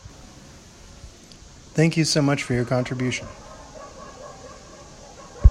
Thank you so much for your contribution.